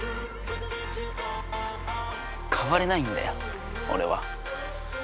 変われないんだよ俺は。